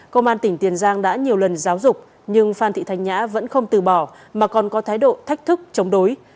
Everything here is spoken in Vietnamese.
công an tỉnh tiền giang đã nhiều lần giáo dục nhưng phan thị thanh nhã vẫn không từ bỏ mà còn có thái độ thách thức chống đối